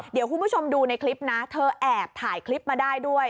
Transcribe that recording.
เดี๋ยวคุณผู้ชมดูในคลิปนะเธอแอบถ่ายคลิปมาได้ด้วย